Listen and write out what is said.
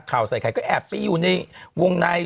เขาว่าใส่ใครก็แอบไปอยู่ในวงใน